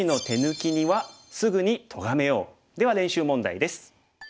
では練習問題です。